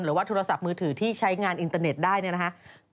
หรือว่าโทรศัพท์มือถือที่ใช้งานอินเตอร์เน็ตได้เนี่ยนะครับ